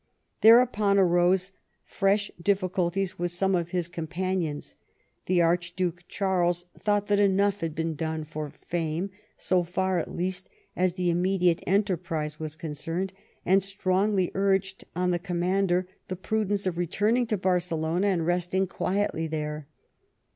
Thereupon arose fresh difficulties with some of his companions. The Archduke Charles thought that enough had been done for fame, so far at least as the immediate enterprise was concerned, and strongly urged on the commander the prudence of returning to Barcelona and resting quietly there.